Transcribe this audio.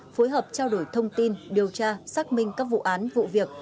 phối hợp trao đổi thông tin điều tra xác minh các vụ án vụ việc